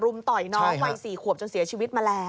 ต่อยน้องวัย๔ขวบจนเสียชีวิตมาแล้ว